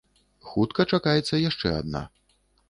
Хутка чакаецца яшчэ адна.